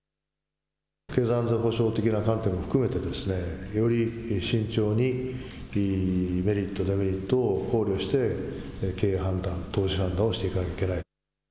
経済安全保障的な観点も含めてより慎重にメリット、デメリットを考慮して判断をしていかなきゃいけない。